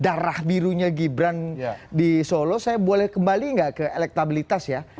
darah birunya gibran di solo saya boleh kembali nggak ke elektabilitas ya